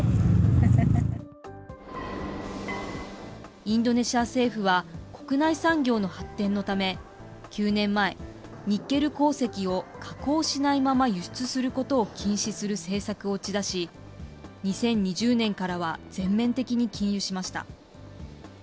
インドネシア政府は、国内産業の発展のため、９年前、ニッケル鉱石を加工しないまま輸出することを禁止する政策を打ち出し、２０２０年からは全面的に禁輸しました。